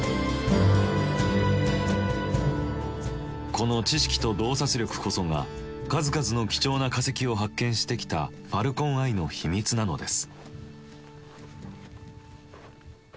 この知識と洞察力こそが数々の貴重な化石を発見してきたファルコン・アイの秘密なのです。